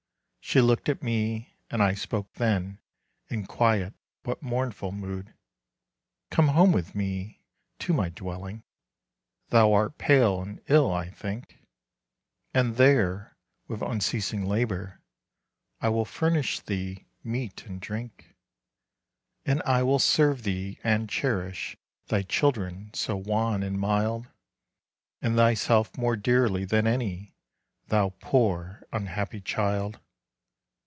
She looked at me, and I spoke then In quiet but mournful mood. "Come home with me to my dwelling, Thou art pale and ill, I think, And there, with unceasing labor, I will furnish thee meat and drink. "And I will serve thee, and cherish Thy children so wan and mild. And thyself more dearly than any, Thou poor, unhappy child.